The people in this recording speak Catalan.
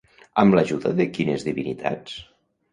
Amb l'ajuda de quines divinitats?